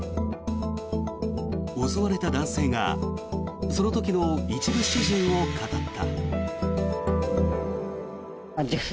襲われた男性がその時の一部始終を語った。